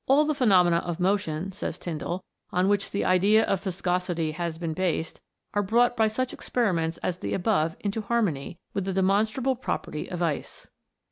"All the phenomena of motion," says Tyndall, " on which the idea of visco sity has been based are brought by such experi ments as the above into harmony with the demon strable property of ice.